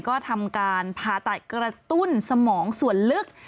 ก็ทำการผ่าตัดกระตุ้นสมองส่วนลึก